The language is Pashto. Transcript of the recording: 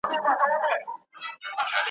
یا ړنده یم زما علاج دي نه دی کړی ,